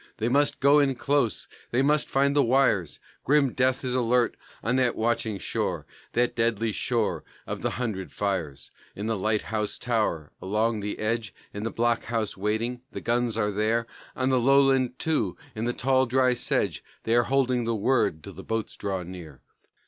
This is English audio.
They must go in close, they must find the wires; Grim death is alert on that watching shore, That deadly shore of the "Hundred Fires." In the lighthouse tower, along the ledge, In the blockhouse, waiting, the guns are there; On the lowland, too, in the tall, dry sedge; They are holding the word till the boats draw near.